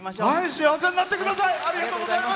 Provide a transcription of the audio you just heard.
幸せになってください。